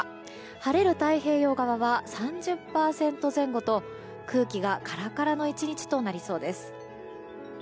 晴れる太平洋側は３０％前後と空気がカラカラの１日となりそうです。